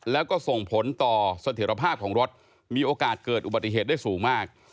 แล้วก็ส่งผลต่อเสถียรภาพของรถมีโอกาสเกิดอุบัติเหตุได้สูงมาก